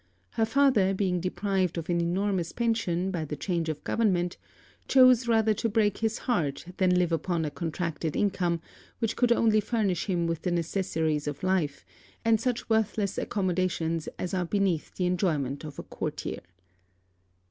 Her father, being deprived of an enormous pension, by the change of government, chose rather to break his heart than live upon a contracted income, which could only furnish him with the necessaries of life; and such worthless accommodations as are beneath the enjoyment of a courtier.